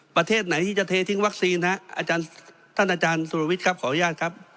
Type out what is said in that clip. ประเทศไหนที่จะเททิ้งวัคซีนฮะอาจารย์ท่านอาจารย์สุรวิทย์ครับขออนุญาตครับ